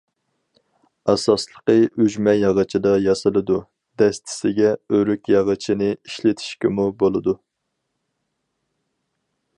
ئاساسلىقى ئۈجمە ياغىچىدا ياسىلىدۇ، دەستىسىگە ئۆرۈك ياغىچىنى ئىشلىتىشكىمۇ بولىدۇ.